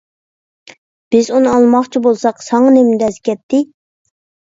بىز ئۇنى ئالماقچى بولساق ساڭا نېمە دەز كەتتى؟